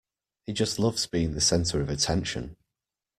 He just loves being the center of attention.